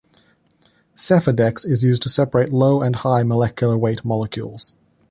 Sephadex is used to separate low and high molecular weight molecules.